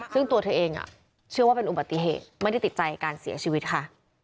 ซึ่งตัวเธอเองเชื่อว่าเป็นอุบัติเหตุไม่ได้ติดใจการเสียชีวิตค่ะ